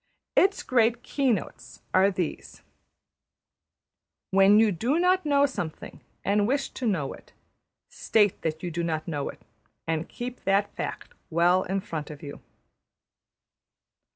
Its great keynotes are these: When you do not know something, and wish to know it, state that you do not know it, and keep that fact well in front of you.